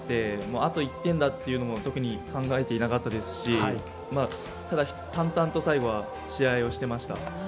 あと１点というのも特に考えていなかったですしただ、淡々と最後は試合をしてました。